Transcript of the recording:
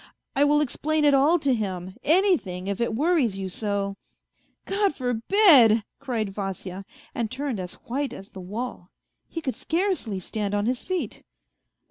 I will explain it all to him, anything, if it worries you so. ..."" God forbid !" cried Vasya, and turned as white as the wall. He could scarcely stand on his feet.